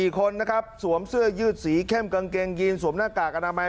๔คนนะครับสวมเสื้อยืดสีเข้มกางเกงยีนสวมหน้ากากอนามัย